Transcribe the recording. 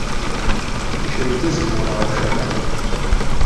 Icerrew-d azemmur ɣer ucerraɛ.